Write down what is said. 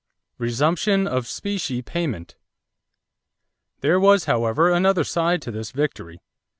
=Resumption of Specie Payment.= There was, however, another side to this victory.